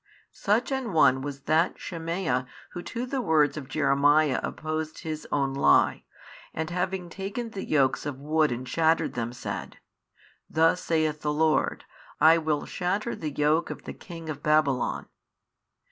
Such an one was that Shemaiah who to the words of Jeremiah opposed his own lie and having taken the yokes of wood and shattered them, said, Thus saith the Lord, I will shatter the yoke of the king of Babylon.